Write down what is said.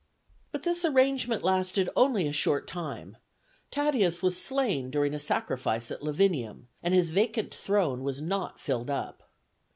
But this arrangement lasted only a short time; Tatius was slain during a sacrifice at Lavinium, and his vacant throne was not filled up.